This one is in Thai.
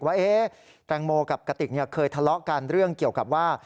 ว่าแตงโมกับกติกเคยทะเลาะกันเรื่องเกี่ยวกับว่า